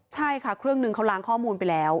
ใช่ค่ะเครื่องนึงเขาล้างข้อมูลไปแล้ว